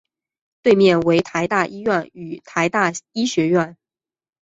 对面为台大医院与台大医学院。